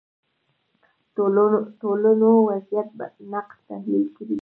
ټولنو وضعیت نقد تحلیل کړي